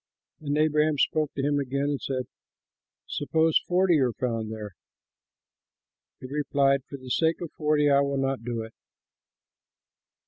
Then Abraham spoke to him again, and said, "Suppose forty are found there?" He replied, "For the sake of forty I will not do it."